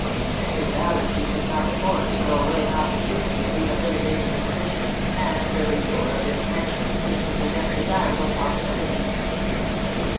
Mrs. Vallancy could not afford to throw away an oppor tunity of rehabilitating her position, and the renewal of this friendship seemed to present desirable possibilities.